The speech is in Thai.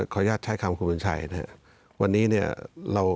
ขออนุญาตใช้คำคุณบุญชัยนะครับ